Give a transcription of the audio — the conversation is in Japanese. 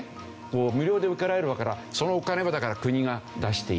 無料で受けられるわけだからそのお金はだから国が出している。